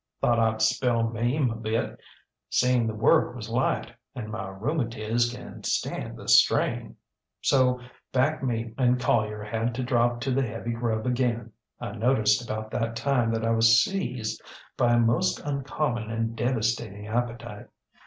ŌĆśThought IŌĆÖd spell Mame a bit, seeinŌĆÖ the work was light, and my rheumatiz can stand the strain. ŌĆÖ ŌĆ£So back me and Collier had to drop to the heavy grub again. I noticed about that time that I was seized by a most uncommon and devastating appetite.